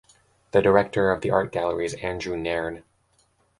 The director of the art gallery is Andrew Nairne.